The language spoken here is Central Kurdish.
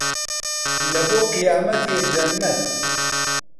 لە بۆ قیامەتێ جەننەت